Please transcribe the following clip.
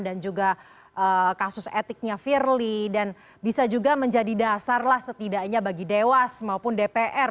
dan juga kasus etiknya firly dan bisa juga menjadi dasar setidaknya bagi dewas maupun dpr